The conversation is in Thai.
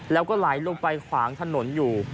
แล้วก็ไหลลงไปขวางถนนอยู่